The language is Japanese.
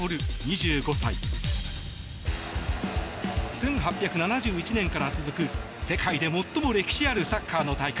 １８７１年から続く世界で最も歴史あるサッカーの大会